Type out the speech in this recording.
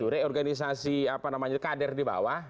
reorganisasi kader di bawah